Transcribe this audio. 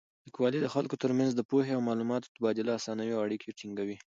لیکوالی د خلکو تر منځ د پوهې او معلوماتو تبادله اسانوي او اړیکې ټینګوي.